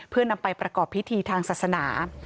เพื่อนำไปประกอบพิธีทางศาสนา